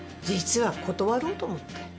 実は断ろうと思って。